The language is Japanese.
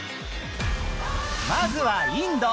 まずはインド。